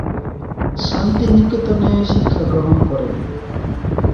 শান্তিনিকেতনে শিক্ষাগ্রহণ করেন।